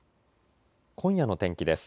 今夜の天気です。